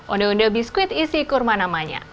odeh odeh biskuit isi kurma namanya